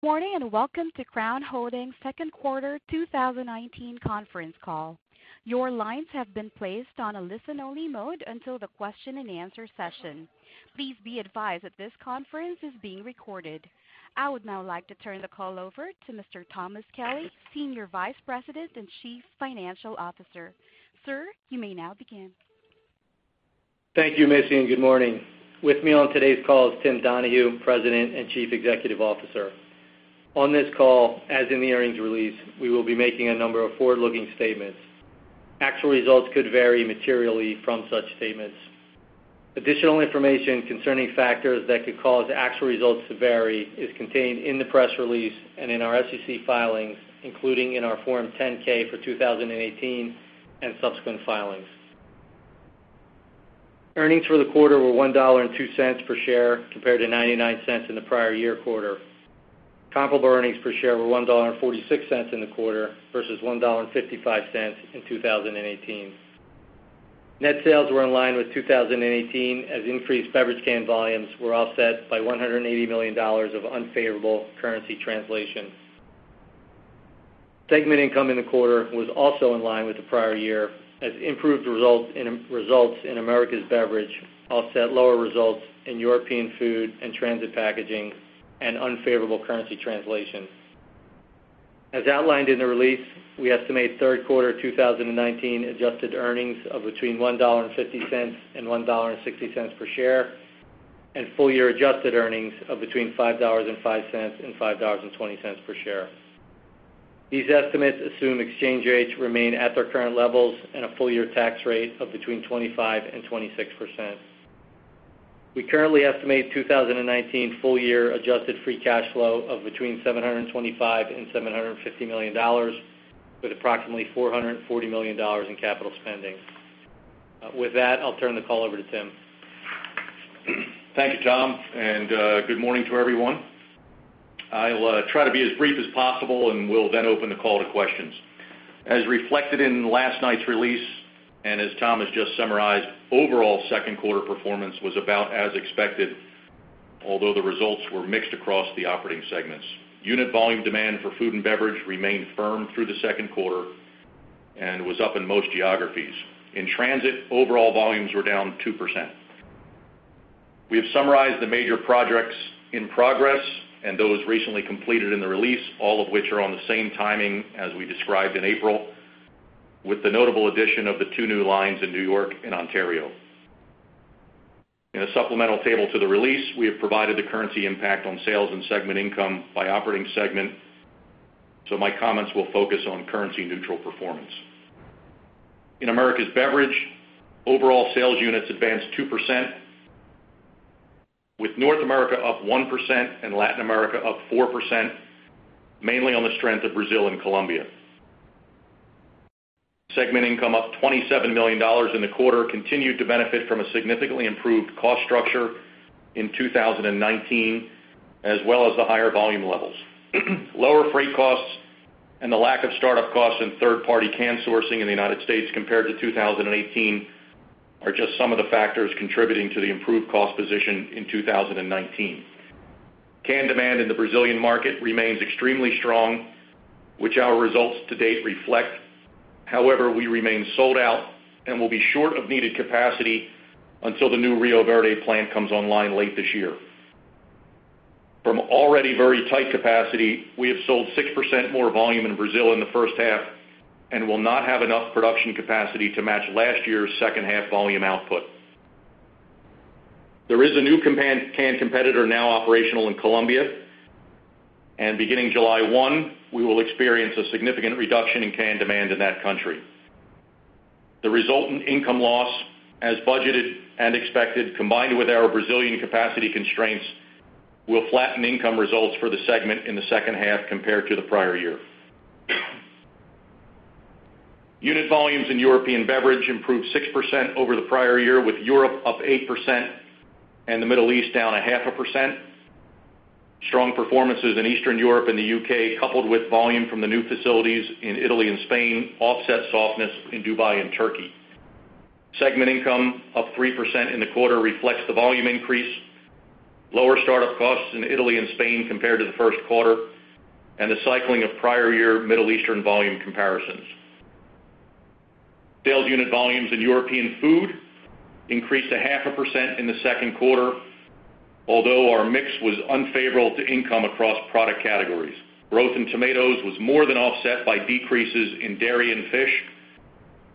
Good morning, welcome to Crown Holdings second quarter 2019 conference call. Your lines have been placed on a listen-only mode until the question-and-answer session. Please be advised that this conference is being recorded. I would now like to turn the call over to Mr. Thomas Kelly, Senior Vice President and Chief Financial Officer. Sir, you may now begin. Thank you, Missy, good morning. With me on today's call is Tim Donahue, President and Chief Executive Officer. On this call, as in the earnings release, we will be making a number of forward-looking statements. Actual results could vary materially from such statements. Additional information concerning factors that could cause actual results to vary is contained in the press release and in our SEC filings, including in our Form 10-K for 2018 and subsequent filings. Earnings for the quarter were $1.02 per share compared to $0.99 in the prior year quarter. Comparable earnings per share were $1.46 in the quarter versus $1.55 in 2018. Net sales were in line with 2018 as increased beverage can volumes were offset by $180 million of unfavorable currency translation. Segment income in the quarter was also in line with the prior year as improved results in Americas Beverage offset lower results in European Food and Transit Packaging and unfavorable currency translation. As outlined in the release, we estimate third quarter 2019 adjusted earnings of between $1.50 per share and $1.60 per share, and full-year adjusted earnings of between $5.05 per share and $5.20 per share. These estimates assume exchange rates remain at their current levels and a full-year tax rate of between 25% and 26%. We currently estimate 2019 full-year adjusted free cash flow of between $725 million and $750 million with approximately $440 million in capital spending. With that, I'll turn the call over to Tim. Thank you, Tom, good morning to everyone. I'll try to be as brief as possible, we'll then open the call to questions. As reflected in last night's release, as Tom has just summarized, overall second quarter performance was about as expected, although the results were mixed across the operating segments. Unit volume demand for food and beverage remained firm through the second quarter and was up in most geographies. In transit, overall volumes were down 2%. We have summarized the major projects in progress and those recently completed in the release, all of which are on the same timing as we described in April, with the notable addition of the two new lines in N.Y. and Ontario. In a supplemental table to the release, we have provided the currency impact on sales and segment income by operating segment. My comments will focus on currency neutral performance. In Americas Beverage, overall sales units advanced 2%, with North America up 1% and Latin America up 4%, mainly on the strength of Brazil and Colombia. Segment income up $27 million in the quarter continued to benefit from a significantly improved cost structure in 2019, as well as the higher volume levels. Lower freight costs and the lack of startup costs in third-party can sourcing in the U.S. compared to 2018 are just some of the factors contributing to the improved cost position in 2019. Can demand in the Brazilian market remains extremely strong, which our results to date reflect. However, we remain sold out and will be short of needed capacity until the new Rio Verde plant comes online late this year. From already very tight capacity, we have sold 6% more volume in Brazil in the first half and will not have enough production capacity to match last year's second half volume output. There is a new can competitor now operational in Colombia, and beginning July 1, we will experience a significant reduction in can demand in that country. The resultant income loss, as budgeted and expected, combined with our Brazilian capacity constraints, will flatten income results for the segment in the second half compared to the prior year. Unit volumes in European Beverage improved 6% over the prior year, with Europe up 8% and the Middle East down 0.5%. Strong performances in Eastern Europe and the U.K., coupled with volume from the new facilities in Italy and Spain, offset softness in Dubai and Turkey. Segment income up 3% in the quarter reflects the volume increase, lower startup costs in Italy and Spain compared to the first quarter, and the cycling of prior year Middle Eastern volume comparisons. Sales unit volumes in European Food increased 0.5% in the second quarter, although our mix was unfavorable to income across product categories. Growth in tomatoes was more than offset by decreases in dairy and fish,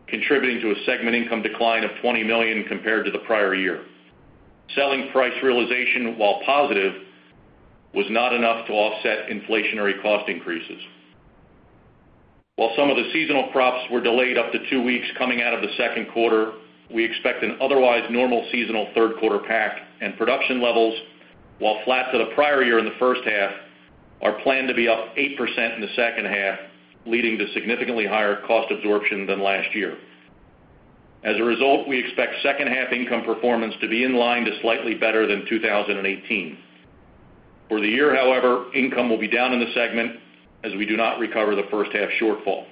contributing to a segment income decline of $20 million compared to the prior year. Selling price realization, while positive, was not enough to offset inflationary cost increases. While some of the seasonal crops were delayed up to two weeks coming out of the second quarter, we expect an otherwise normal seasonal third quarter pack and production levels, while flat to the prior year in the first half, are planned to be up 8% in the second half, leading to significantly higher cost absorption than last year. As a result, we expect second half income performance to be in line to slightly better than 2018. For the year, however, income will be down in the segment as we do not recover the first half shortfall.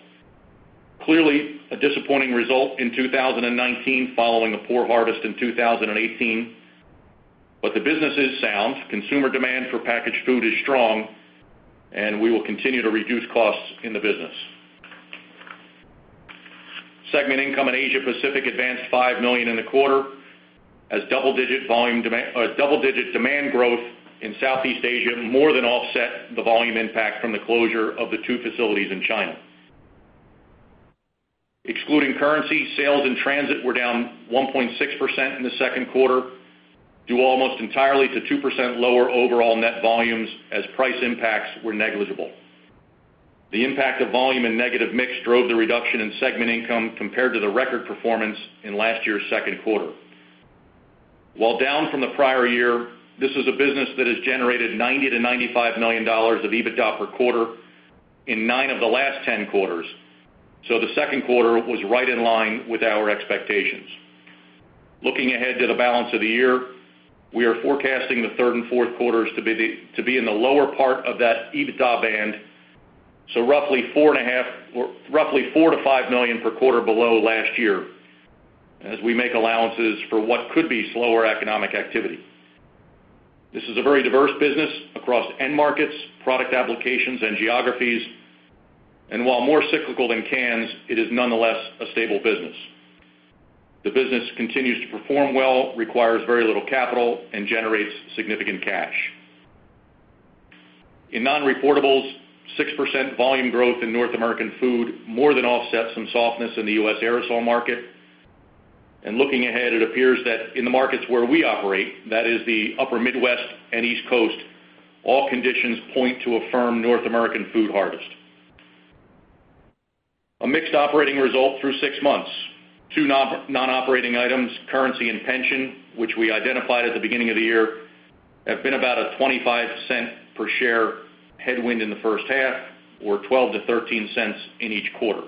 Clearly, a disappointing result in 2019 following a poor harvest in 2018. The business is sound, consumer demand for packaged food is strong, and we will continue to reduce costs in the business. Segment income in Asia Pacific advanced $5 million in the quarter as double-digit demand growth in Southeast Asia more than offset the volume impact from the closure of the two facilities in China. Excluding currency, sales in Transit were down 1.6% in the second quarter, due almost entirely to 2% lower overall net volumes as price impacts were negligible. The impact of volume and negative mix drove the reduction in segment income compared to the record performance in last year's second quarter. While down from the prior year, this is a business that has generated $90 million-$95 million of EBITDA per quarter in nine of the last 10 quarters. The second quarter was right in line with our expectations. Looking ahead to the balance of the year, we are forecasting the third and fourth quarters to be in the lower part of that EBITDA band. Roughly $4 million-$5 million per quarter below last year, as we make allowances for what could be slower economic activity. This is a very diverse business across end markets, product applications, and geographies, and while more cyclical than cans, it is nonetheless a stable business. The business continues to perform well, requires very little capital, and generates significant cash. In non-reportables, 6% volume growth in North American food more than offsets some softness in the U.S. aerosol market. Looking ahead, it appears that in the markets where we operate, that is the upper Midwest and East Coast, all conditions point to a firm North American food harvest. A mixed operating result through six months. Two non-operating items, currency and pension, which we identified at the beginning of the year, have been about a $0.25 per share headwind in the first half or $0.12-$0.13 in each quarter.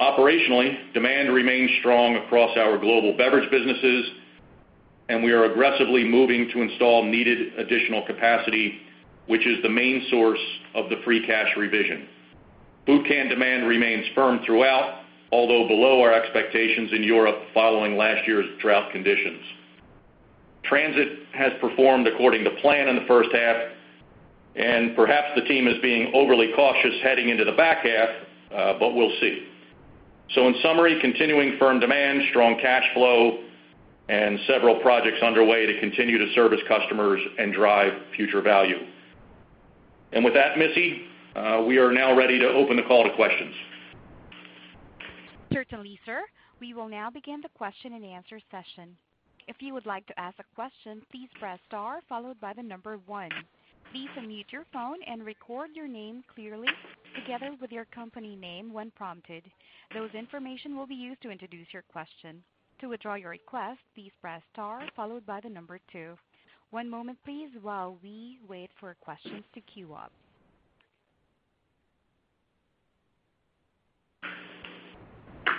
Operationally, demand remains strong across our global beverage businesses, and we are aggressively moving to install needed additional capacity, which is the main source of the free cash revision. food can demand remains firm throughout, although below our expectations in Europe following last year's drought conditions. Transit has performed according to plan in the first half, and perhaps the team is being overly cautious heading into the back half, but we'll see. In summary, continuing firm demand, strong cash flow, and several projects underway to continue to service customers and drive future value. With that, Missy, we are now ready to open the call to questions. Certainly, sir. We will now begin the question-and-answer session. If you would like to ask a question, please press star followed by the number one. Please unmute your phone and record your name clearly together with your company name when prompted. Those information will be used to introduce your question. To withdraw your request, please press star followed by the number two. One moment, please, while we wait for questions to queue up.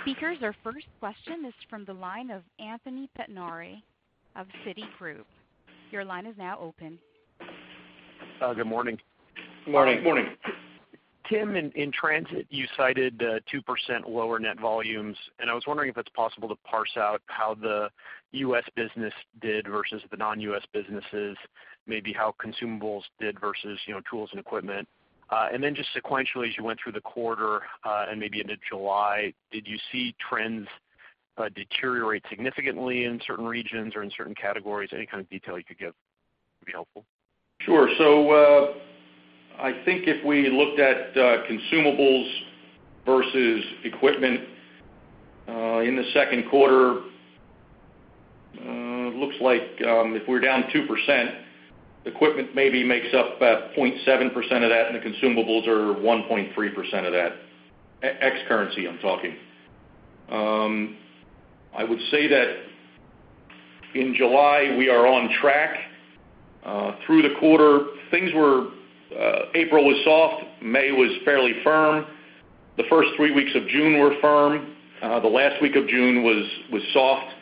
Speakers, our first question is from the line of Anthony Pettinari of Citigroup. Your line is now open. Good morning. Morning. Tim, in Transit Packaging, you cited 2% lower net volumes. I was wondering if it's possible to parse out how the U.S. business did versus the non-U.S. businesses, maybe how consumables did versus tools and equipment. Just sequentially as you went through the quarter, and maybe into July, did you see trends deteriorate significantly in certain regions or in certain categories? Any kind of detail you could give would be helpful. Sure. I think if we looked at consumables versus equipment, in the second quarter, looks like if we're down 2%, equipment maybe makes up about 0.7% of that and the consumables are 1.3% of that. Ex-currency, I'm talking. I would say that in July, we are on track. Through the quarter, April was soft, May was fairly firm. The first three weeks of June were firm. The last week of June was soft.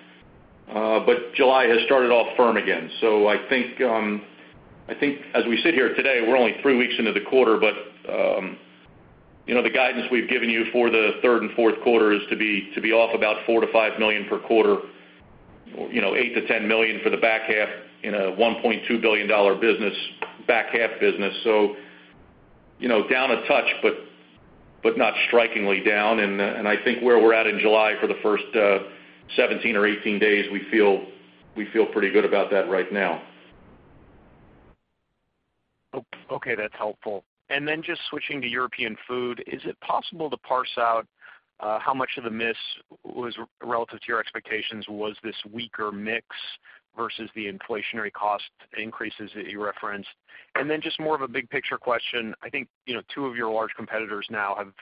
July has started off firm again. I think as we sit here today, we're only three weeks into the quarter, the guidance we've given you for the third and fourth quarter is to be off about $4 million-$5 million per quarter, $8 million-$10 million for the back half in a $1.2 billion back half business. Down a touch, not strikingly down, and I think where we're at in July for the first 17 or 18 days, we feel pretty good about that right now. Okay, that's helpful. Just switching to European Food, is it possible to parse out how much of the miss was relative to your expectations? Was this weaker mix versus the inflationary cost increases that you referenced? Just more of a big picture question. I think two of your large competitors now have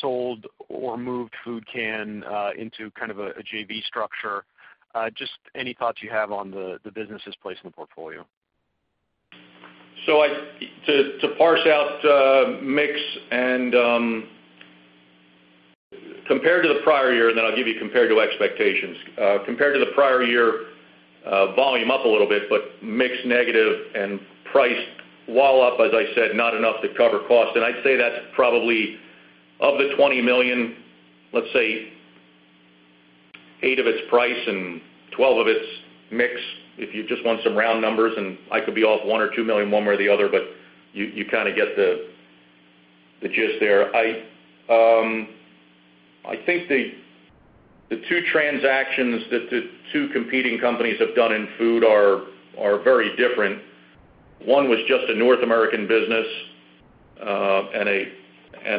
sold or moved food can into kind of a JV structure. Just any thoughts you have on the business' place in the portfolio. To parse out mix, compared to the prior year, then I'll give you compared to expectations. Compared to the prior year, volume up a little bit, but mix negative and price, while up, as I said, not enough to cover cost. I'd say that's probably of the $20 million, let's say eight of it is price and 12 of it is mix, if you just want some round numbers, and I could be off 1 million or 2 million, one way or the other, but you kind of get the gist there. I think the two transactions that the two competing companies have done in food are very different. One was just a North American business, and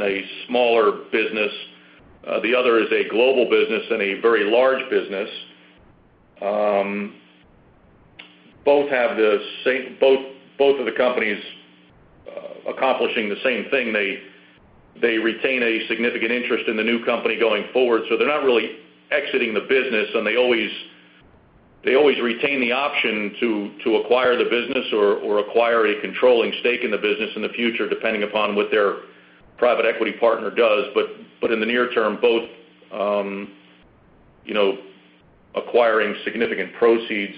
a smaller business. The other is a global business and a very large business. Both of the companies accomplishing the same thing. They retain a significant interest in the new company going forward, so they're not really exiting the business, and they always retain the option to acquire the business or acquire a controlling stake in the business in the future, depending upon what their private equity partner does. In the near term, both acquiring significant proceeds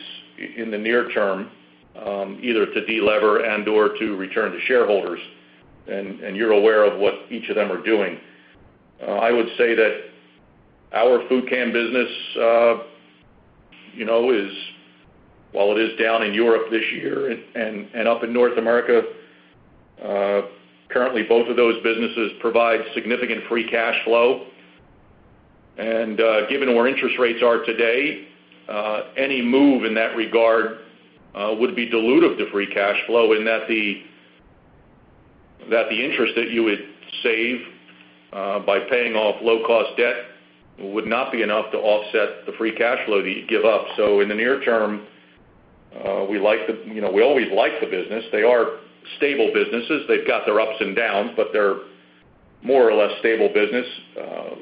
in the near term, either to delever and/or to return to shareholders. You're aware of what each of them are doing. I would say that our food can business, while it is down in Europe this year and up in North America, currently both of those businesses provide significant free cash flow. Given where interest rates are today, any move in that regard would be dilutive to free cash flow in that the interest that you would save by paying off low-cost debt would not be enough to offset the free cash flow that you'd give up. In the near term, we always like the business. They are stable businesses. They've got their ups and downs, but they're more or less stable business.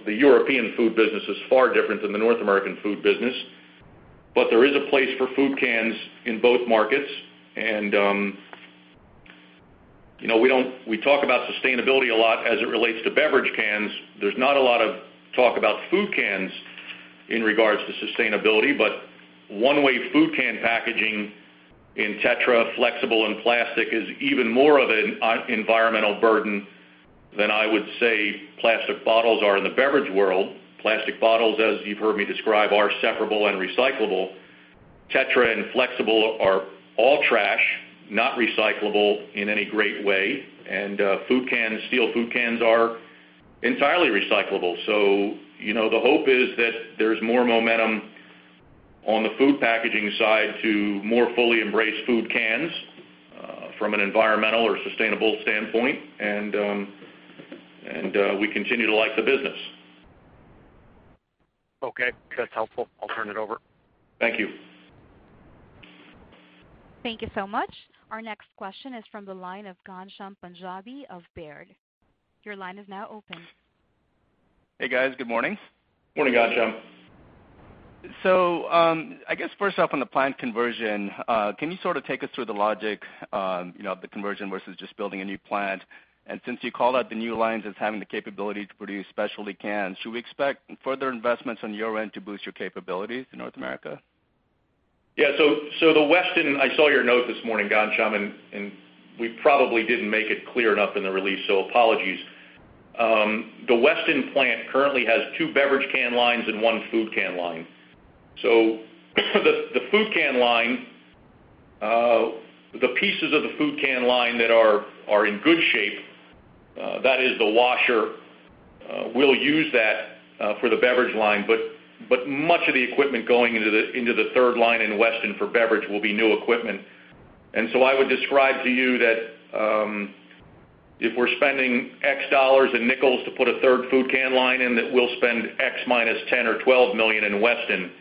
The European Food business is far different than the North American food business, but there is a place for food cans in both markets. We talk about sustainability a lot as it relates to beverage cans. There's not a lot of talk about food cans in regards to sustainability, one-way food can packaging in Tetra, flexible, and plastic is even more of an environmental burden than I would say plastic bottles are in the beverage world. Plastic bottles, as you've heard me describe, are separable and recyclable. Tetra and flexible are all trash, not recyclable in any great way. Steel food cans are entirely recyclable. The hope is that there's more momentum on the food packaging side to more fully embrace food cans from an environmental or sustainable standpoint, and we continue to like the business. Okay. That's helpful. I'll turn it over. Thank you. Thank you so much. Our next question is from the line of Ghansham Panjabi of Baird. Your line is now open. Hey, guys. Good morning. Morning, Ghansham. I guess first off, on the plant conversion, can you sort of take us through the logic of the conversion versus just building a new plant? And since you called out the new lines as having the capability to produce specialty cans, should we expect further investments on your end to boost your capabilities in North America? Yeah. I saw your note this morning, Ghansham, we probably didn't make it clear enough in the release, apologies. The Weston plant currently has two beverage can lines and one food can line. The food can line, the pieces of the food can line that are in good shape, that is the washer, we'll use that for the beverage line. Much of the equipment going into the third line in Weston for beverage will be new equipment. I would describe to you that if we're spending X dollars in Nichols to put a third food can line in, that we'll spend X minus $10 million or $12 million in Weston.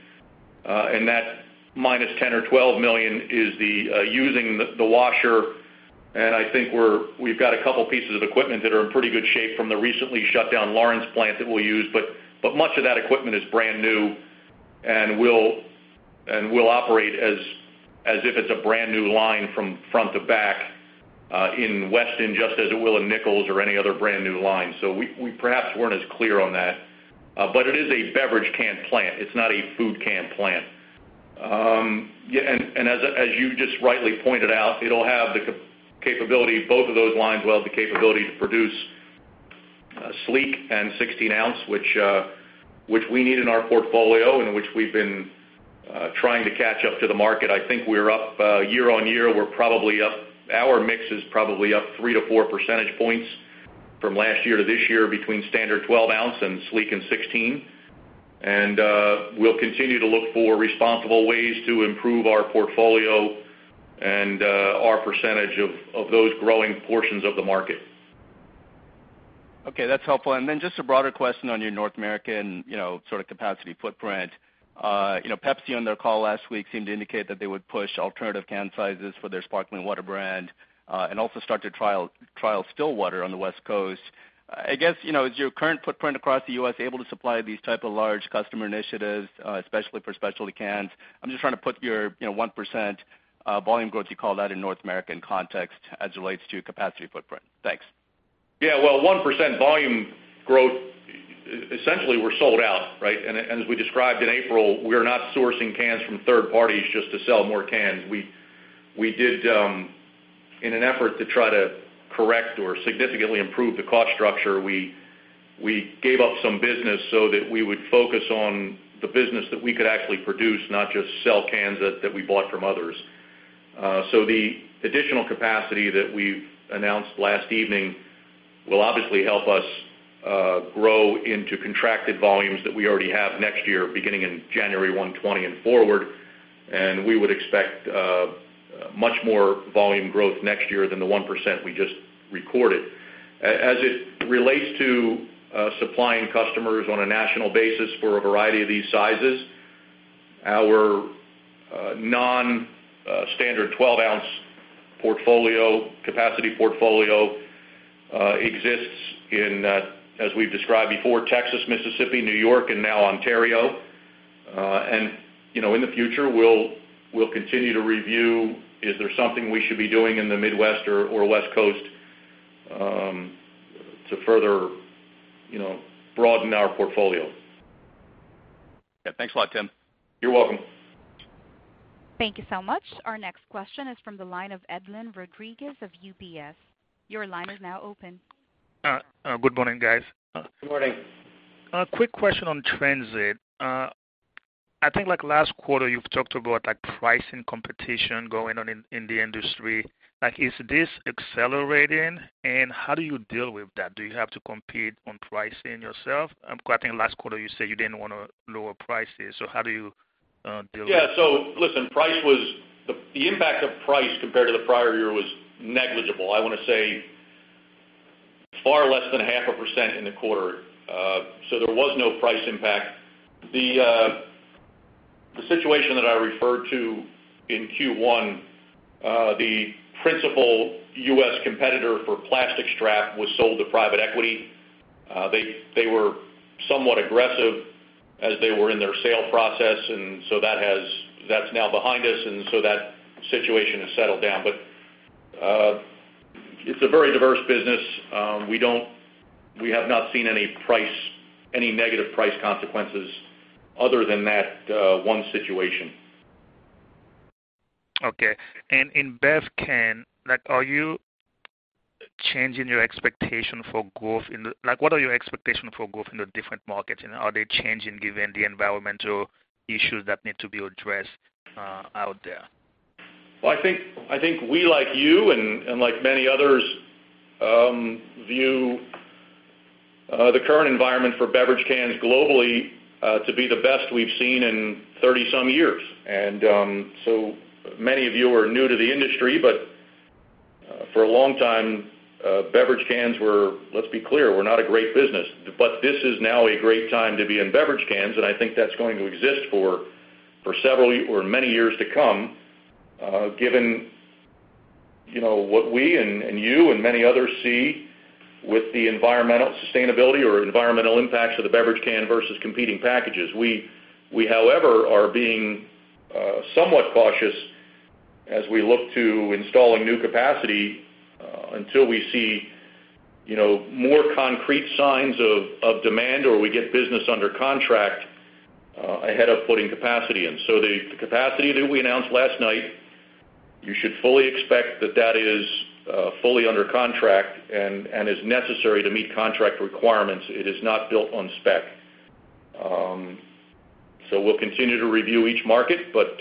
That $-10 million or $12 million is using the washer, and I think we've got a couple pieces of equipment that are in pretty good shape from the recently shut down Lawrence plant that we'll use. Much of that equipment is brand new, and we'll operate as if it's a brand-new line from front to back in Weston, just as it will in Nichols or any other brand-new line. We perhaps weren't as clear on that. It is a beverage can plant. It's not a food can plant. As you just rightly pointed out, both of those lines will have the capability to produce sleek and 16 oz, which we need in our portfolio and which we've been trying to catch up to the market. I think we're up year-on-year. Our mix is probably up 3 percentage points-4 percentage points from last year to this year between standard 12 oz and sleek in 16. We'll continue to look for responsible ways to improve our portfolio and our percentage of those growing portions of the market. Okay. That's helpful. Then just a broader question on your North American capacity footprint. Pepsi on their call last week seemed to indicate that they would push alternative can sizes for their sparkling water brand, and also start to trial still water on the West Coast. I guess, is your current footprint across the U.S. able to supply these type of large customer initiatives, especially for specialty cans? I'm just trying to put your 1% volume growth you called out in North America in context as it relates to capacity footprint. Thanks. Yeah. Well, 1% volume growth. Essentially, we're sold out, right? As we described in April, we are not sourcing cans from third parties just to sell more cans. In an effort to try to correct or significantly improve the cost structure, we gave up some business so that we would focus on the business that we could actually produce, not just sell cans that we bought from others. The additional capacity that we've announced last evening will obviously help us grow into contracted volumes that we already have next year, beginning in January 1, 2020 and forward. We would expect much more volume growth next year than the 1% we just recorded. As it relates to supplying customers on a national basis for a variety of these sizes, our non-standard 12 oz capacity portfolio exists in, as we've described before, Texas, Mississippi, New York, and now Ontario. In the future, we'll continue to review, is there something we should be doing in the Midwest or West Coast to further broaden our portfolio? Yeah. Thanks a lot, Tim. You're welcome. Thank you so much. Our next question is from the line of Edlain Rodriguez of UBS. Your line is now open. Good morning, guys. Good morning. A quick question on transit. I think last quarter, you've talked about pricing competition going on in the industry. Is this accelerating, and how do you deal with that? Do you have to compete on pricing yourself? I think last quarter you said you didn't want to lower prices. How do you deal with that? Yeah. Listen, the impact of price compared to the prior year was negligible. I want to say far less than half a percent in the quarter. There was no price impact. The situation that I referred to in Q1, the principal U.S. competitor for plastic strap was sold to private equity. They were somewhat aggressive as they were in their sale process, and so that's now behind us, and so that situation has settled down. It's a very diverse business. We have not seen any negative price consequences other than that one situation. Okay. In bev can, what are your expectations for growth in the different markets, and are they changing given the environmental issues that need to be addressed out there? Well, I think we, like you and like many others, view the current environment for beverage cans globally to be the best we've seen in 30-some years. Many of you are new to the industry, but for a long time, beverage cans were, let's be clear, were not a great business. This is now a great time to be in beverage cans, and I think that's going to exist for many years to come, given what we and you and many others see with the sustainability or environmental impacts of the beverage can versus competing packages. We, however, are being somewhat cautious as we look to installing new capacity until we see more concrete signs of demand or we get business under contract ahead of putting capacity in. The capacity that we announced last night, you should fully expect that is fully under contract and is necessary to meet contract requirements. It is not built on spec. We'll continue to review each market, but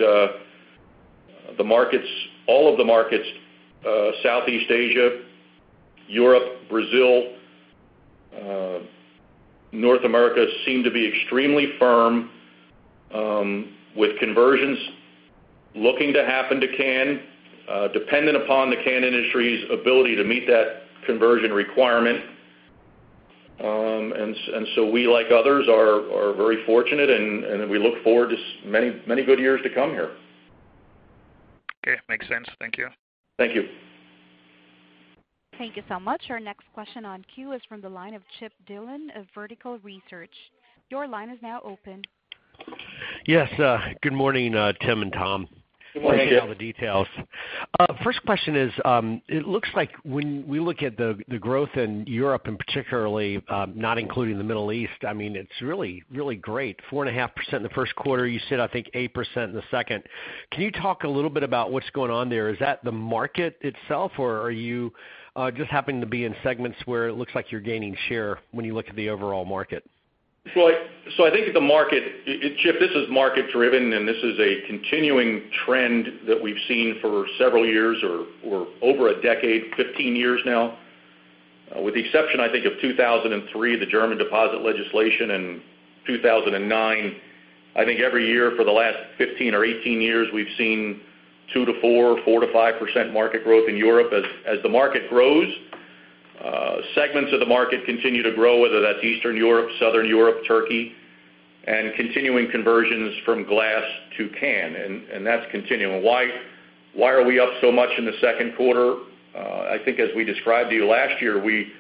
all of the markets, Southeast Asia, Europe, Brazil, North America, seem to be extremely firm with conversions looking to happen to can, dependent upon the can industry's ability to meet that conversion requirement. We, like others, are very fortunate, and we look forward to many good years to come here. Okay. Makes sense. Thank you. Thank you. Thank you so much. Our next question on queue is from the line of Chip Dillon of Vertical Research. Your line is now open. Yes. Good morning, Tim and Tom. Good morning, Chip. Appreciate all the details. First question is, it looks like when we look at the growth in Europe, particularly not including the Middle East, it's really great. 4.5% in the first quarter. You said, I think, 8% in the second. Can you talk a little bit about what's going on there? Is that the market itself, or are you just happening to be in segments where it looks like you're gaining share when you look at the overall market? Chip, this is market driven. This is a continuing trend that we've seen for several years or over a decade, 15 years now. With the exception, I think, of 2003, the German deposit legislation in 2009. I think every year for the last 15 or 18 years, we've seen 2%-4%, 4%-5% market growth in Europe. The market grows, segments of the market continue to grow, whether that's Eastern Europe, Southern Europe, Turkey, and continuing conversions from glass to can, and that's continuing. Why are we up so much in the second quarter? I think as we described to you last year, we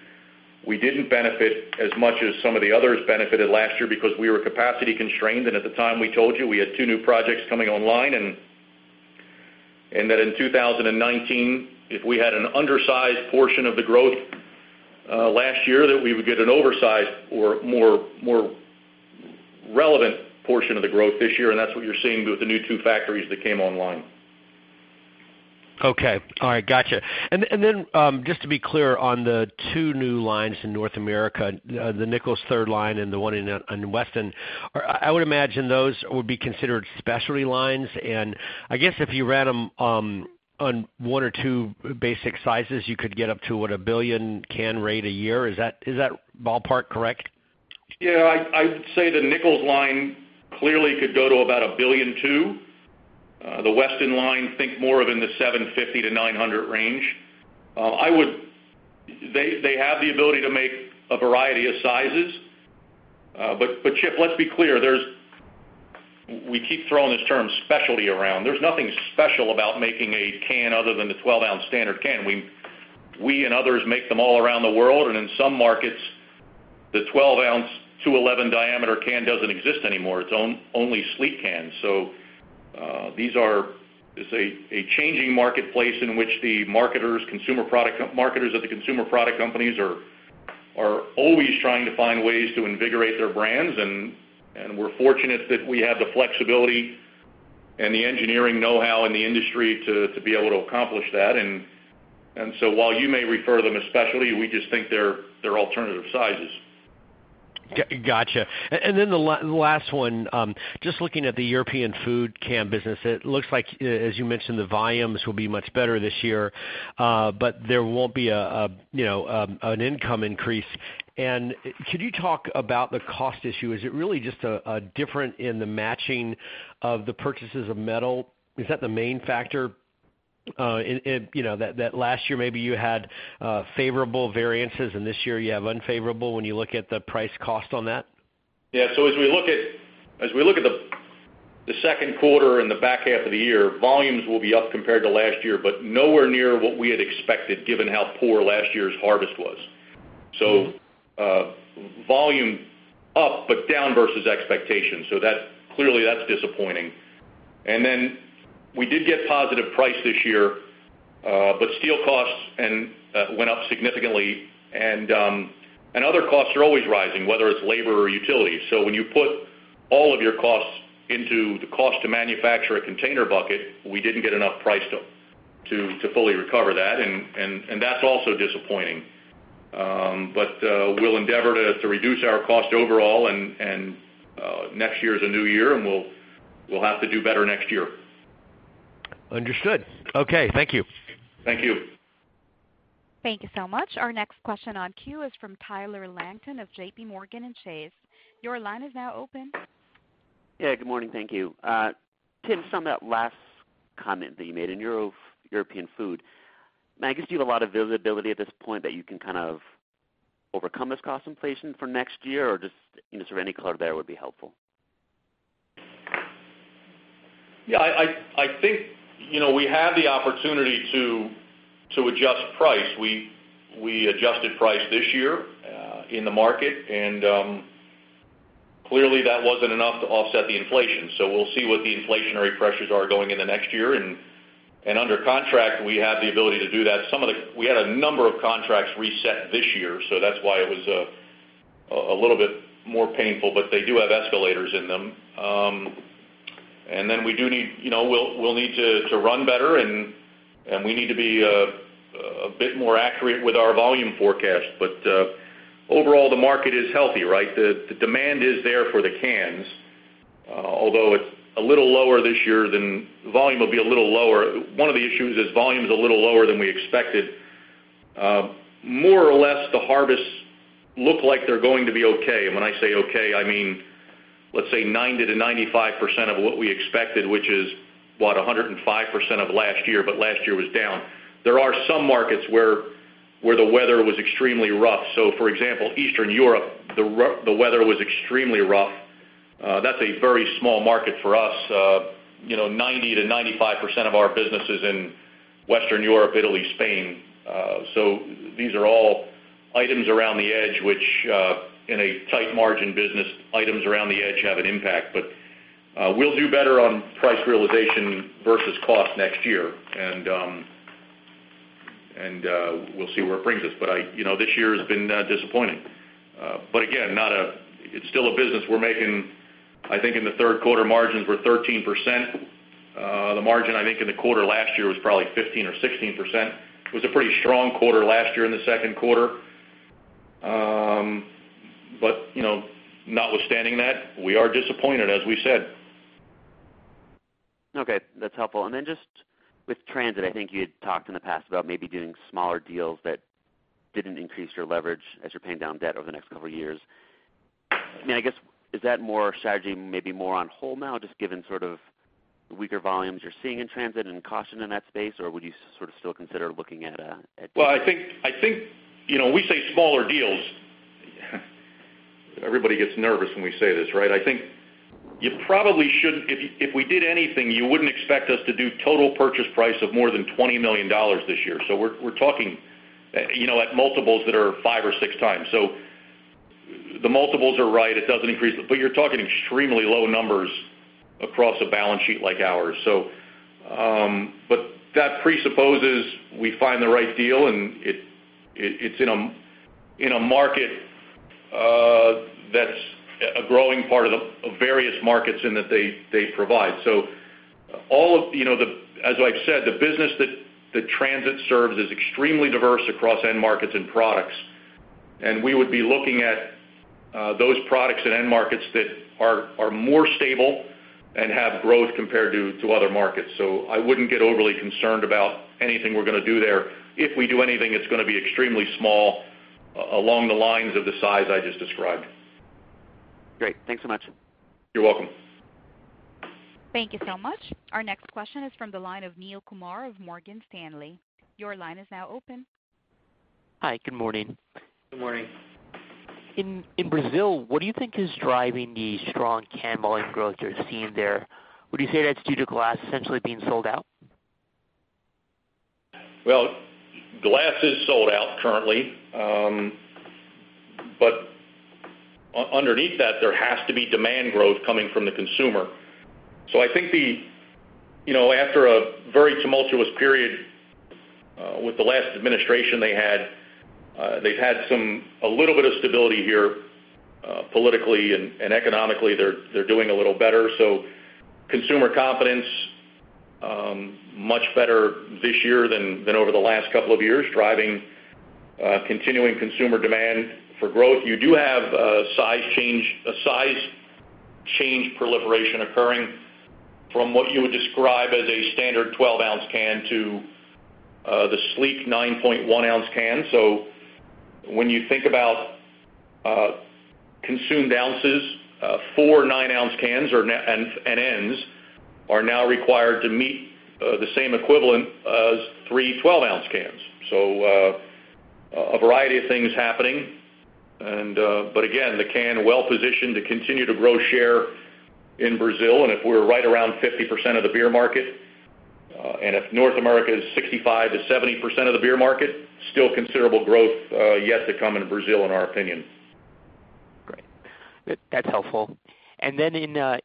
didn't benefit as much as some of the others benefited last year because we were capacity constrained. At the time, we told you we had two new projects coming online. That in 2019, if we had an undersized portion of the growth last year, we would get an oversized or more relevant portion of the growth this year, and that's what you're seeing with the new two factories that came online. Okay. All right. Gotcha. Then just to be clear on the two new lines in North America, the Nichols third line and the one in Weston, I would imagine those would be considered specialty lines. I guess if you ran them on one or two basic sizes, you could get up to, what, a 1 billion can rate a year. Is that ballpark correct? I would say the Nichols line clearly could go to about 1.2 billion. The Weston line, think more of in the 750-900 range. They have the ability to make a variety of sizes. Chip, let's be clear. We keep throwing this term specialty around. There's nothing special about making a can other than the 12 oz standard can. We and others make them all around the world, and in some markets, the 12 oz, 211 diameter can doesn't exist anymore. It's only sleek cans. This a changing marketplace in which the marketers of the consumer product companies are always trying to find ways to invigorate their brands. We're fortunate that we have the flexibility and the engineering know-how in the industry to be able to accomplish that. While you may refer to them as specialty, we just think they're alternative sizes. Gotcha. The last one, just looking at the European Food can business, it looks like, as you mentioned, the volumes will be much better this year, but there won't be an income increase. Could you talk about the cost issue? Is it really just different in the matching of the purchases of metal? Is that the main factor, that last year maybe you had favorable variances and this year you have unfavorable when you look at the price cost on that? Yeah. As we look at the second quarter and the back half of the year, volumes will be up compared to last year, but nowhere near what we had expected, given how poor last year's harvest was. Volume up, but down versus expectation. Clearly that's disappointing. We did get positive price this year, steel costs went up significantly, other costs are always rising, whether it's labor or utilities. When you put all of your costs into the cost to manufacture a container bucket, we didn't get enough price to fully recover that's also disappointing. We'll endeavor to reduce our cost overall, next year is a new year, we'll have to do better next year. Understood. Okay. Thank you. Thank you. Thank you so much. Our next question on queue is from Tyler Langton of JPMorgan & Chase. Your line is now open. Good morning. Thank you. Tim, just on that last comment that you made in European Food, I guess, do you have a lot of visibility at this point that you can kind of overcome this cost inflation for next year? Or just any color there would be helpful. I think we have the opportunity to adjust price. We adjusted price this year in the market, clearly, that wasn't enough to offset the inflation. We'll see what the inflationary pressures are going into next year. Under contract, we have the ability to do that. We had a number of contracts reset this year, so that's why it was a little bit more painful, but they do have escalators in them. Then we'll need to run better, and we need to be a bit more accurate with our volume forecast. Overall, the market is healthy, right? The demand is there for the cans, although it's a little lower this year. Volume will be a little lower. One of the issues is volume is a little lower than we expected. More or less, the harvests look like they're going to be okay. When I say okay, I mean, let's say 90%-95% of what we expected, which is, what, 105% of last year, but last year was down. There are some markets where the weather was extremely rough. For example, Eastern Europe, the weather was extremely rough. That's a very small market for us. 90%-95% of our business is in Western Europe, Italy, Spain. These are all items around the edge, which in a tight margin business, items around the edge have an impact. We'll do better on price realization versus cost next year, and we'll see where it brings us. This year has been disappointing. Again, it's still a business. We're making, I think, in the third quarter, margins were 13%. The margin, I think, in the quarter last year was probably 15% or 16%. It was a pretty strong quarter last year in the second quarter. Notwithstanding that, we are disappointed, as we said. Okay. That's helpful. Then just with Transit, I think you had talked in the past about maybe doing smaller deals that didn't increase your leverage as you're paying down debt over the next couple of years. I guess, is that more a strategy maybe more on hold now, just given sort of the weaker volumes you're seeing in Transit and caution in that space, or would you sort of still consider looking at- I think, we say smaller deals. Everybody gets nervous when we say this, right? I think if we did anything, you wouldn't expect us to do total purchase price of more than $20 million this year. We're talking at multiples that are 5x or 6x. The multiples are right. It doesn't increase, but you're talking extremely low numbers across a balance sheet like ours. That presupposes we find the right deal, and it's in a market that's a growing part of various markets and that they provide. As I've said, the business that Transit serves is extremely diverse across end markets and products, and we would be looking at those products and end markets that are more stable and have growth compared to other markets. I wouldn't get overly concerned about anything we're going to do there. If we do anything, it's going to be extremely small along the lines of the size I just described. Great. Thanks so much. You're welcome. Thank you so much. Our next question is from the line of Neel Kumar of Morgan Stanley. Your line is now open. Hi, good morning. Good morning. In Brazil, what do you think is driving the strong can volume growth you're seeing there? Would you say that's due to glass essentially being sold out? Glass is sold out currently. Underneath that, there has to be demand growth coming from the consumer. I think after a very tumultuous period with the last administration they had, they've had a little bit of stability here politically and economically. They're doing a little better. Consumer confidence, much better this year than over the last couple of years, driving continuing consumer demand for growth. You do have a size change proliferation occurring from what you would describe as a standard 12 oz can to the sleek 9.1 oz can. When you think about consumed ounces, 4 oz, 9 oz cans or N ends are now required to meet the same equivalent as three 12 oz cans. A variety of things happening, but again, the can well positioned to continue to grow share in Brazil. If we're right around 50% of the beer market, if North America is 65%-70% of the beer market, still considerable growth yet to come in Brazil, in our opinion. Great. That's helpful. In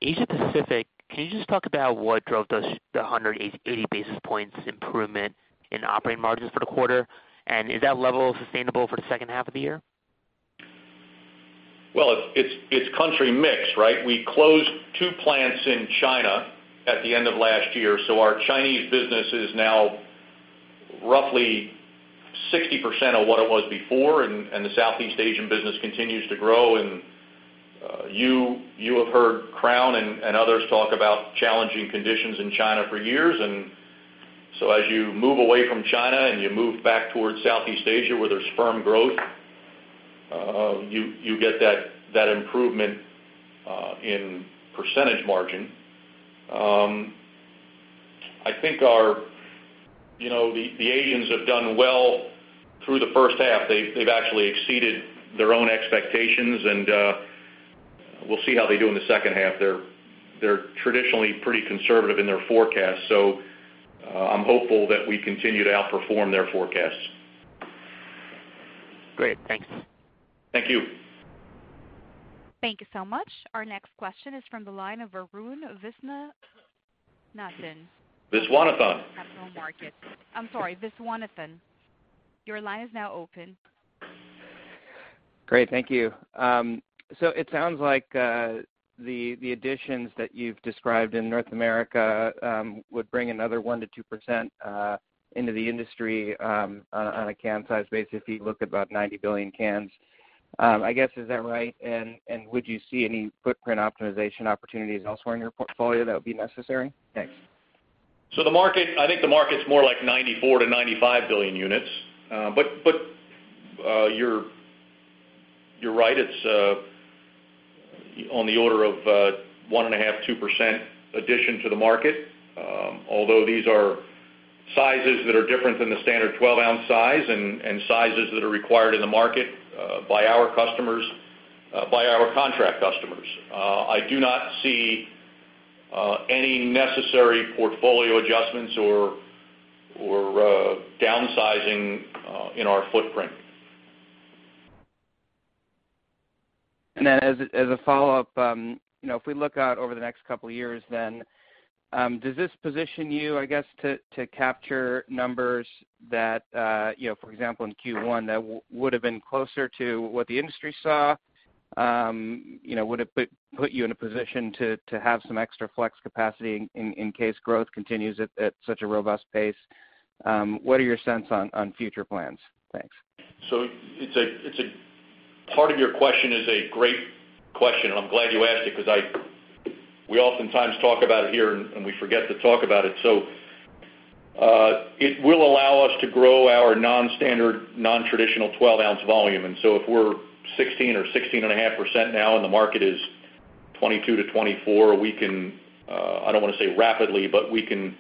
Asia Pacific, can you just talk about what drove the 180 basis points improvement in operating margins for the quarter? Is that level sustainable for the second half of the year? Well, it's country mix, right? We closed two plants in China at the end of last year, so our Chinese business is now roughly 60% of what it was before, the Southeast Asian business continues to grow. You have heard Crown and others talk about challenging conditions in China for years. As you move away from China and you move back towards Southeast Asia where there's firm growth, you get that improvement in percentage margin. I think the Asians have done well through the first half. They've actually exceeded their own expectations, we'll see how they do in the second half. They're traditionally pretty conservative in their forecasts, so I'm hopeful that we continue to outperform their forecasts. Great. Thanks. Thank you. Thank you so much. Our next question is from the line of Arun Viswanathan. Viswanathan. Capital Markets. I'm sorry, Viswanathan. Your line is now open. Great. Thank you. It sounds like the additions that you've described in North America would bring another 1%-2% into the industry on a can size basis if you look at about 90 billion cans. I guess, is that right? Would you see any footprint optimization opportunities elsewhere in your portfolio that would be necessary? Thanks. I think the market's more like 94 billion-95 billion units. You're right. It's on the order of 1.5%-2% addition to the market, although these are sizes that are different than the standard 12-ounce size and sizes that are required in the market by our contract customers. I do not see any necessary portfolio adjustments or downsizing in our footprint. As a follow-up, if we look out over the next couple of years, does this position you, I guess, to capture numbers that, for example, in Q1, that would have been closer to what the industry saw? Would it put you in a position to have some extra flex capacity in case growth continues at such a robust pace? What are your sense on future plans? Thanks. Part of your question is a great question. I'm glad you asked it because we oftentimes talk about it here, and we forget to talk about it. It will allow us to grow our non-standard, non-traditional 12 oz volume. If we're 16% or 16.5% now and the market is 22-24, we can, I don't want to say rapidly, but we can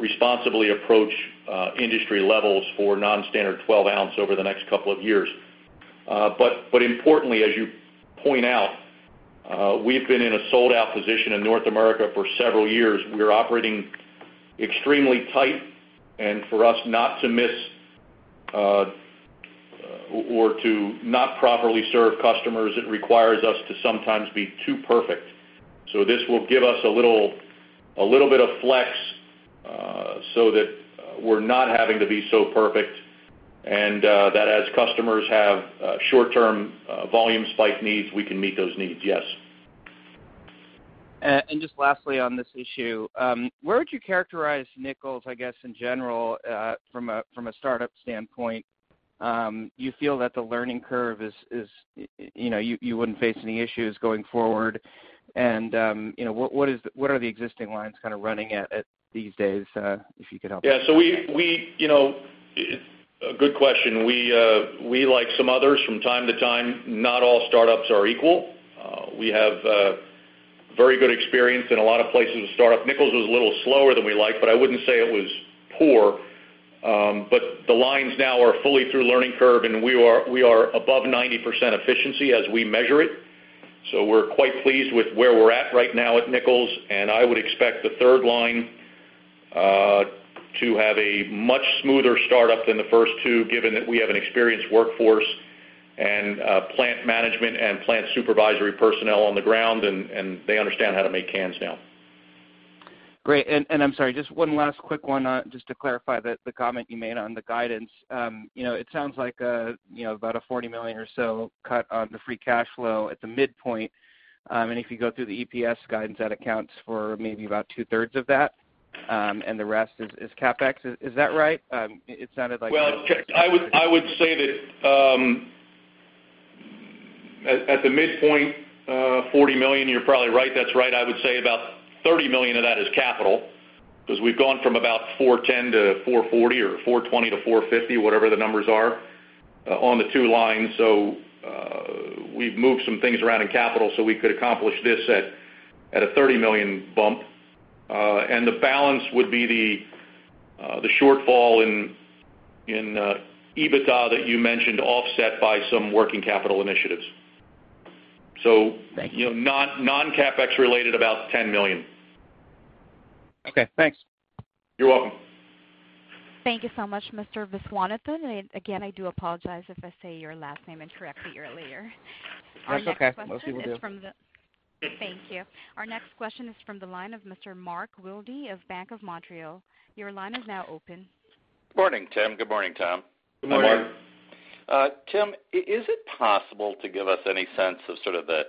responsibly approach industry levels for non-standard 12 oz over the next couple of years. Importantly, as you point out, we've been in a sold-out position in North America for several years. We are operating extremely tight, and for us not to miss or to not properly serve customers, it requires us to sometimes be too perfect. This will give us a little bit of flex so that we're not having to be so perfect, and that as customers have short-term volume spike needs, we can meet those needs, yes. Just lastly on this issue, where would you characterize Nichols, I guess, in general, from a startup standpoint? You wouldn't face any issues going forward and what are the existing lines kind of running at these days, if you could help? Yeah. A good question. We, like some others from time to time, not all startups are equal. We have very good experience in a lot of places to start up. Nichols was a little slower than we liked, I wouldn't say it was poor. The lines now are fully through learning curve, and we are above 90% efficiency as we measure it. We're quite pleased with where we're at right now at Nichols, and I would expect the third line to have a much smoother startup than the first two, given that we have an experienced workforce and plant management and plant supervisory personnel on the ground, and they understand how to make cans now. Great. I'm sorry, just one last quick one just to clarify the comment you made on the guidance. It sounds like about a $40 million or so cut on the free cash flow at the midpoint. If you go through the EPS guidance, that accounts for maybe about two-thirds of that, and the rest is CapEx. Is that right? Well, I would say that at the midpoint, $40 million, you're probably right. That's right. I would say about $30 million of that is capital, because we've gone from about $410-$440 or $420-$450, whatever the numbers are, on the two lines. We've moved some things around in capital so we could accomplish this at a $30 million bump. The balance would be the shortfall in EBITDA that you mentioned, offset by some working capital initiatives. Thank you. Non-CapEx related, about $10 million. Okay, thanks. You're welcome. Thank you so much, Mr. Viswanathan. Again, I do apologize if I say your last name incorrectly earlier. That's okay. Most people do. Thank you. Our next question is from the line of Mr. Mark Wilde of Bank of Montreal. Your line is now open. Morning, Tim. Good morning, Tom. Good morning. Good morning. Tim, is it possible to give us any sense of sort of the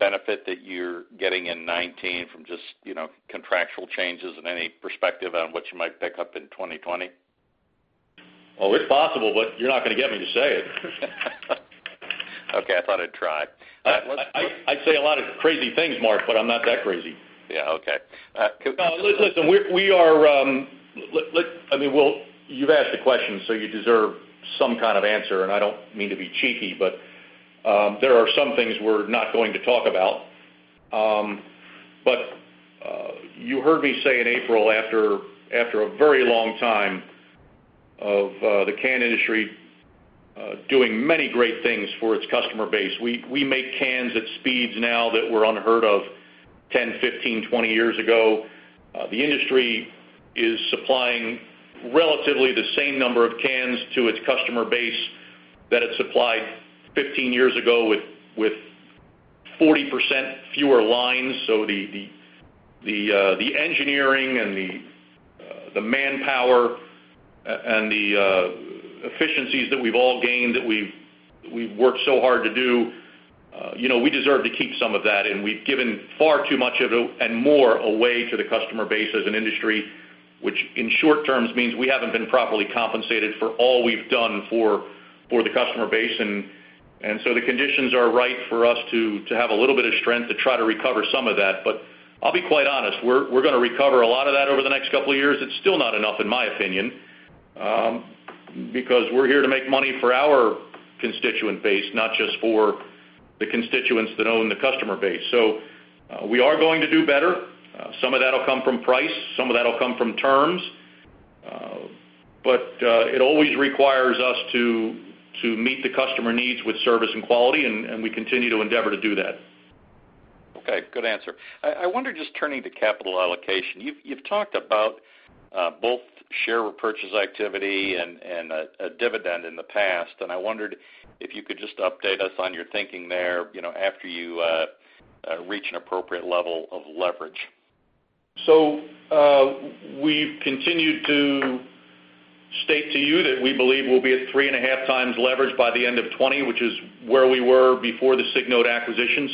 benefit that you're getting in 2019 from just contractual changes and any perspective on what you might pick up in 2020? Well, it's possible, but you're not going to get me to say it. Okay. I thought I'd try. I say a lot of crazy things, Mark, but I'm not that crazy. Yeah. Okay. Listen, you've asked the question, so you deserve some kind of answer, and I don't mean to be cheeky, but there are some things we're not going to talk about. You heard me say in April, after a very long time of the can industry doing many great things for its customer base. We make cans at speeds now that were unheard of 10, 15, 20 years ago. The industry is supplying relatively the same number of cans to its customer base that it supplied 15 years ago with 40% fewer lines. The engineering and the manpower and the efficiencies that we've all gained, that we've worked so hard to do, we deserve to keep some of that. We've given far too much of it and more away to the customer base as an industry, which in short terms means we haven't been properly compensated for all we've done for the customer base. The conditions are right for us to have a little bit of strength to try to recover some of that. I'll be quite honest, we're going to recover a lot of that over the next couple of years. It's still not enough, in my opinion, because we're here to make money for our constituent base, not just for the constituents that own the customer base. We are going to do better. Some of that'll come from price, some of that'll come from terms. It always requires us to meet the customer needs with service and quality, and we continue to endeavor to do that. Okay. Good answer. I wonder, just turning to capital allocation, you've talked about both share repurchase activity and a dividend in the past. I wondered if you could just update us on your thinking there after you reach an appropriate level of leverage. We've continued to state to you that we believe we'll be at 3.5 times leverage by the end of 2020, which is where we were before the Signode acquisition.